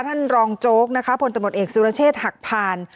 รองโจ๊กนะคะผลตำรวจเอกสุรเชษฐ์หักผ่าน